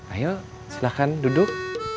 ayo silahkan duduk